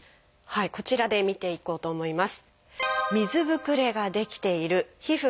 こちらで見ていこうと思います。